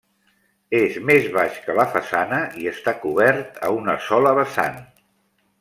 És més baix que la façana i està cobert a una sola vessant.